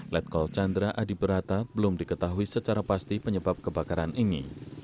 letkol chandra adibrata belum diketahui secara pasti penyebab kebakaran ini